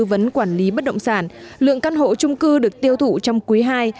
tư vấn quản lý bất động sản lượng căn hộ trung cư được tiêu thụ trong quý ii